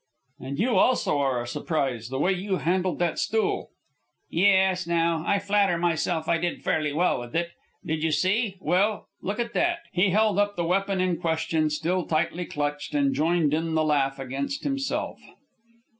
"And you, also, are a surprise. The way you handled that stool " "Yes, now! I flatter myself I did fairly well with it. Did you see well, look at that!" He held up the weapon in question, still tightly clutched, and joined in the laugh against himself.